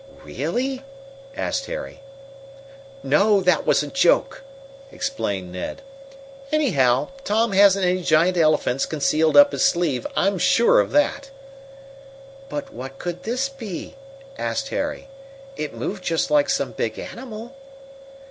"Really?" asked Harry. "No, that was a joke," explained Ned. "Anyhow, Tom hasn't any giant elephants concealed up his sleeve, I'm sure of that." "But what could this be?" asked Harry. "It moved just like some big animal."